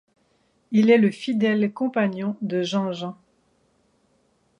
Il est le fidèle compagnon de Jean Jan.